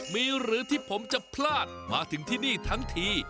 มีหรือที่ผมจะพลาดมาถึงที่นี่ทั้งที